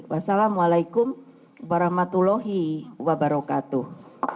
wassalamu'alaikum warahmatullahi wabarakatuh